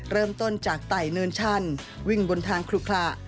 เริ่มต้นจากไต่เนินชันวิ่งบนทางคลุขระ